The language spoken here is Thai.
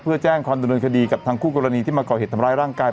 เพื่อแจ้งความดำเนินคดีกับทางคู่กรณีที่มาก่อเหตุทำร้ายร่างกาย